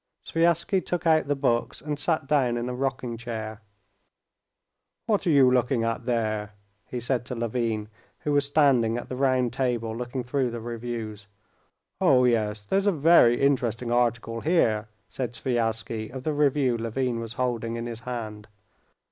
Sviazhsky took out the books, and sat down in a rocking chair. "What are you looking at there?" he said to Levin, who was standing at the round table looking through the reviews. "Oh, yes, there's a very interesting article here," said Sviazhsky of the review Levin was holding in his hand.